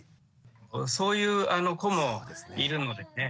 そういう子もいるのでね。